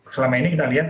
selama ini kita lihat